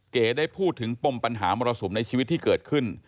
เก๋ได้พูดถึงปมปัญหามรสุมในชีวิตที่เกิดขึ้น